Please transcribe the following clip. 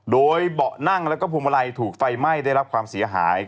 โดยเบาะนั่งแล้วก็พวงมาลัยถูกไฟไหม้ได้รับความเสียหาย